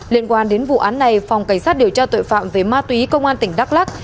liên quan đến vụ án này phòng cảnh sát điều tra tội phạm về ma túy công an tỉnh đắk lắc